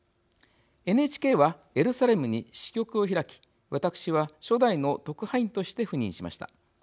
ＮＨＫはエルサレムに支局を開き私は初代の特派員として赴任しました。